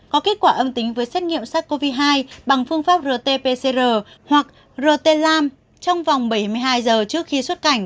có kết quả âm tính với xét nghiệm sars cov hai bằng phương pháp rt pcr hoặc rt lam trong vòng bảy mươi hai giờ trước khi xuất cảnh